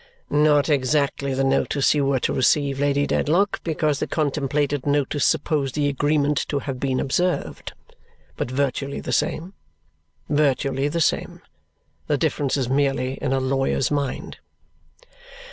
"Not exactly the notice you were to receive, Lady Dedlock, because the contemplated notice supposed the agreement to have been observed. But virtually the same, virtually the same. The difference is merely in a lawyer's mind."